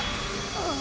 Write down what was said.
ああ。